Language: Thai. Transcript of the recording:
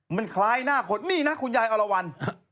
มันคล้ายหน้าคนนี่นะคุณยายอรวรรณ